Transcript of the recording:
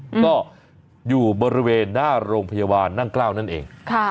ก็อยู่บริเวณหน้าโรงพยาบาลนั่งเกล้านั่นเอง